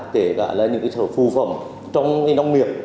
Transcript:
kể cả là những sở phù phẩm trong nông nghiệp